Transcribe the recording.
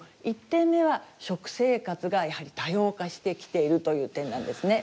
１点目は食生活がやはり多様化してきているという点なんですね。